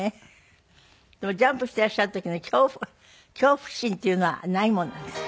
でもジャンプしていらっしゃる時の恐怖心っていうのはないもんなんですか？